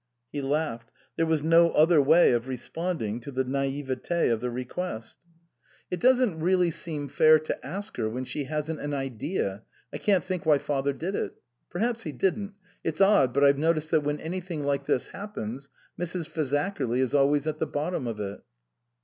He laughed ; there was no other way of re sponding to the naivete of the request. 93 THE COSMOPOLITAN " It doesn't really seem fair to ask her when she hasn't an idea I can't think why father did it. Perhaps he didn't. It's odd, but I've noticed that when anything like this happens, Mrs. Fazakerly is always at the bottom of it."